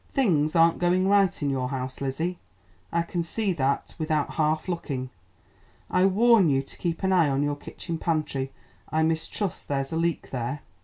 Things aren't going right in your house, Lizzie; I can see that without half looking. I warn you to keep an eye on your kitchen pantry. I mistrust there's a leak there."